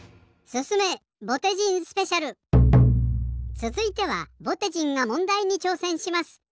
つづいてはぼてじんがもんだいにちょうせんします。